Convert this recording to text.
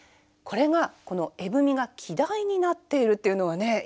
これがこの絵踏が季題になっているというのはね